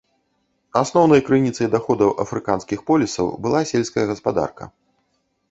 Асноўнай крыніцай даходаў афрыканскіх полісаў была сельская гаспадарка.